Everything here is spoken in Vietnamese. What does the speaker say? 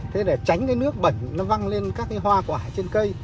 thế để tránh cái nước bẩn nó văng lên các cái hoa quả trên cây